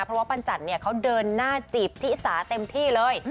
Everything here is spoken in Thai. เพราะว่าปั้นจันเนี่ยเขาเดินหน้าจีบทิสาเต็มที่เลย